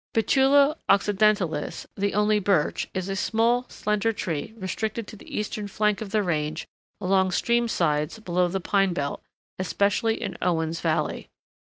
Betula occidentalis, the only birch, is a small, slender tree restricted to the eastern flank of the range along stream sides below the pine belt, especially in Owen's Valley.